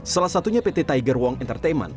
salah satunya pt tiger wong entertainment